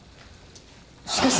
しかし。